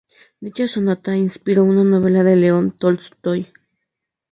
Dicha sonata inspiró una novela de León Tolstoi.